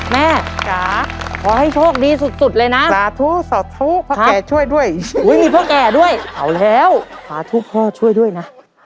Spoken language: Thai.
แม่จ๋าขอให้โชคดีสุดเลยนะสาธุสาธุพ่อแก่ช่วยด้วยมีพ่อแก่ด้วยเอาแล้วสาธุพ่อช่วยด้วยนะ